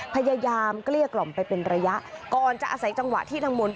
เกลี้ยกล่อมไปเป็นระยะก่อนจะอาศัยจังหวะที่นางมนต์